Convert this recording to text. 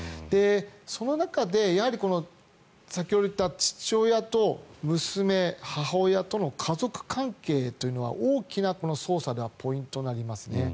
その中で、やはり先ほど言った父親と娘、母親との家族関係というのは捜査では大きなポイントになりますね。